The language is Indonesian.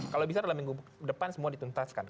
kalau bisa dalam minggu depan semua dituntaskan